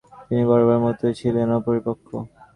তিনি বরাবরের মতোই ছিলেন অপরিপক্ব।